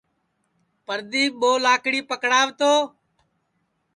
پردیپ ٻو لاکڑی پکڑاو تو